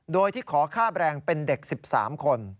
โดยที่ขอค่าแบรนด์เป็นเด็ก๑๓คน